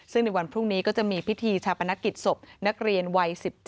ซึ่งในวันพรุ่งนี้ก็จะมีพิธีชาปนกิจศพนักเรียนวัย๑๘